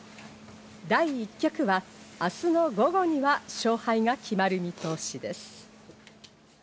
第１局は明日の午後には勝敗が決まる見通しです。